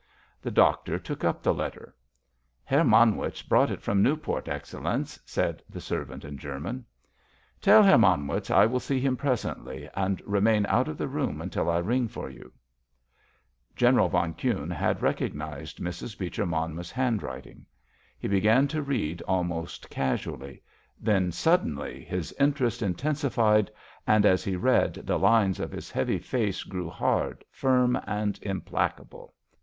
The doctor took up the letter. "Herr Manwitz brought it from Newport, Excellenz," said the servant in German. "Tell Herr Manwitz I will see him presently, and remain out of the room until I ring for you." General von Kuhne had recognised Mrs. Beecher Monmouth's handwriting. He began to read almost casually; then, suddenly, his interest intensified, and as he read the lines of his heavy face grew hard, firm and implacable.